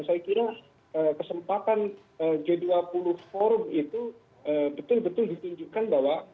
saya kira kesempatan g dua puluh forum itu betul betul ditunjukkan bahwa